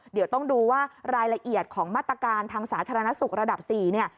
เดี๋ยวต้องดูว่ารายละเอียดของมาตรการทางสาธารณสุขระดับ๔เนี่ย